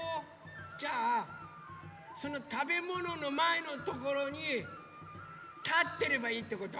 じゃあそのたべもののまえのところにたってればいいってこと？